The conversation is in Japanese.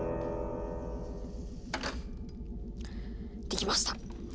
できました。